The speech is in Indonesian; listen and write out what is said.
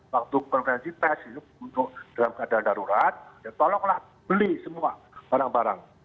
waktu konferensi tes untuk dalam keadaan darurat ya tolonglah beli semua barang barang